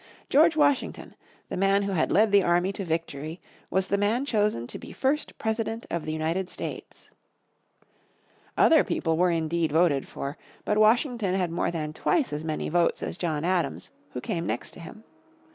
George Washington, the man who had led the army to victory, was the man chosen to be first President of the United States. Other people were indeed voted for, but Washington had more than twice as many votes as John Adams, who came next to him.